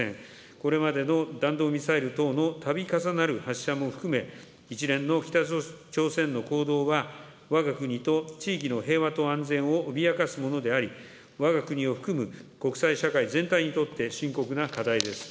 これまでの弾道ミサイル等のたび重なる発射も含め、一連の北朝鮮の行動は、わが国の地域の平和と安全を脅かすものであり、わが国を含む国際社会全体にとって深刻な課題です。